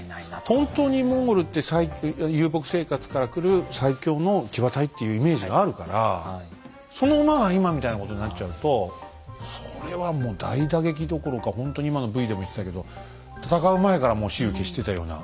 本当にモンゴルって遊牧生活からくる最強の騎馬隊っていうイメージがあるからその馬が今みたいなことになっちゃうとそれはもう大打撃どころかほんとに今のＶでも言ってたけど戦う前からもう雌雄決してたような。